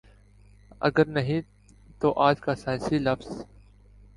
اگر نہیں تو آج کا سائنسی لفظ